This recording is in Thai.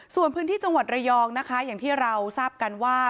ส่วนพื้นที่จังหวัดระยองนะคะอย่างที่เราทราบกันว่า